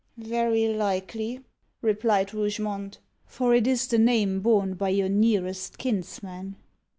"Very likely," replied Rougemont, "for it is the name borne by your nearest kinsman."